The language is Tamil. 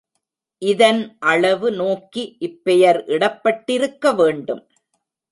இதன் அளவு நோக்கி இப்பெயர் இடப்பட்டிருக்க வேண்டும்.